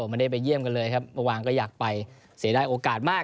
มันได้ไปเยี่ยมกันเลยครับมาวางก็อยากไปเสียได้โอกาสมาก